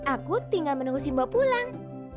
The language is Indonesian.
aku tinggal menunggu si mbok pulang